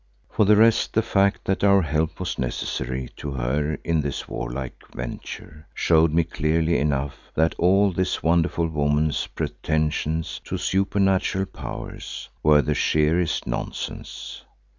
For the rest the fact that our help was necessary to her in this war like venture showed me clearly enough that all this wonderful woman's pretensions to supernatural powers were the sheerest nonsense.